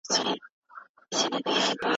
خاموشي له پخوا څخه ډېره عجیبه وه.